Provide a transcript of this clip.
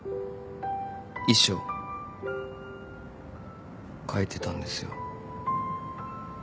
遺書書いてたんですよ。